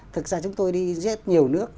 thực ra chúng tôi đi rất nhiều nước